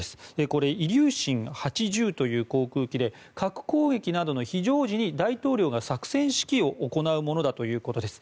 これイリューシン８０という航空機で核攻撃などの非常時に大統領が作戦指揮を行うものだということです。